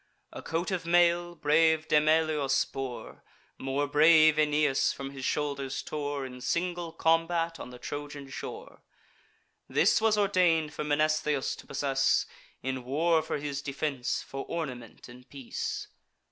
A coat of mail, brave Demoleus bore, More brave Aeneas from his shoulders tore, In single combat on the Trojan shore: This was ordain'd for Mnestheus to possess; In war for his defence, for ornament in peace.